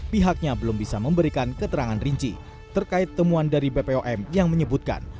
pihaknya belum bisa memberikan keterangan rinci terkait temuan dari bpom yang menyebutkan